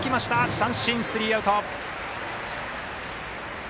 三振、スリーアウト。